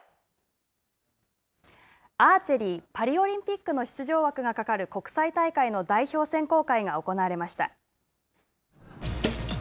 アーチェリーパリオリンピックの出場枠がかかる国際大会の代表選考会が行われました。